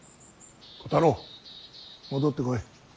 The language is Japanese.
小太郎戻ってこい。